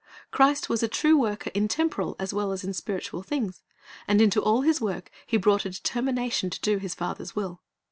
Christ was a true worker in temporal as well as in spiritual things, and into all His work He brought a determination to do His Father's will.